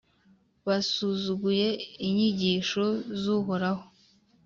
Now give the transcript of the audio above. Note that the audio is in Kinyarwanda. basuzuguye inyigisho z’Uhoraho,